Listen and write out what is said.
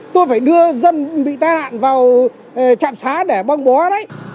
tôi phải đưa dân bị tai nạn vào trạm xá để bong bó đấy